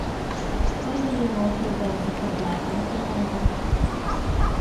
所以我決定食埋晏先返工